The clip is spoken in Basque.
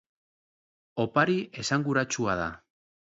Opari esanguratsua da.